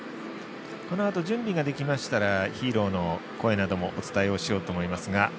このあと準備ができましたらヒーローの声などもお伝えしようと思います。